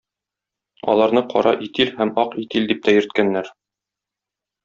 Аларны Кара Итил һәм Ак Итил дип тә йөрткәннәр.